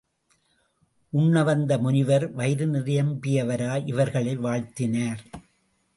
உண்ணவந்த முனிவர் வயிறு நிரம்பியவராய் இவர்களை வாழ்த்தினார்.